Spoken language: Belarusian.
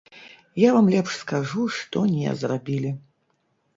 Я вам лепш скажу, што не зрабілі.